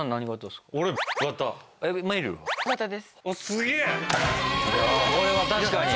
すげえ！